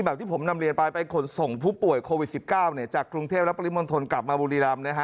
แบบที่ผมนำเรียนไปไปขนส่งผู้ป่วยโควิด๑๙